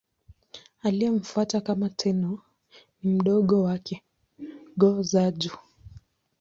Aliyemfuata kama Tenno ni mdogo wake, Go-Sanjo.